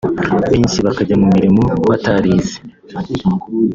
benshi bakajya mu mirimo batarize